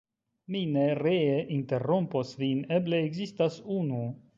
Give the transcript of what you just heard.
"Mi ne ree interrompos vin; eble ekzistas unu."